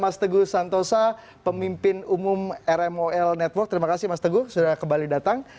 mas teguh santosa pemimpin umum rmol network terima kasih mas teguh sudah kembali datang